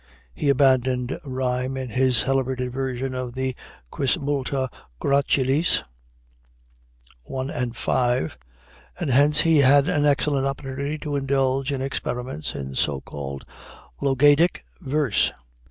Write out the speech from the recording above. He abandoned rhyme in his celebrated version of the "Quis multa gracilis" (i., v.), and hence he had an excellent opportunity to indulge in experiments in so called logaœdic verse.